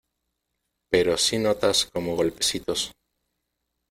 pero si notas como golpecitos,